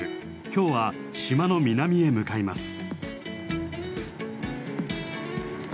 今日は島の南へ向かいます。